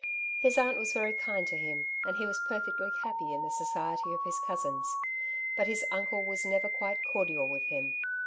His aunt was very kind to him, and he was perfectly happy in the society of his cousins; but his uncle was never quite cordial with him.